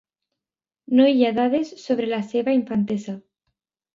No hi ha dades sobre la seva infantesa.